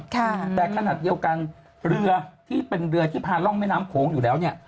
แต่ขนาดเดียวกันเรือที่เป็นเรือที่พาร่องแม่น้ำโขงอยู่แล้วเนี่ย